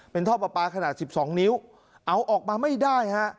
เป็นท่อปลาปลาขนาด๑๒นิ้วเอาออกมาไม่ได้ฮะ